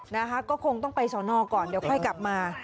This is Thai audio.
นะคะก็คงต้องไปสอนอก่อนเดี๋ยวค่อยกลับมา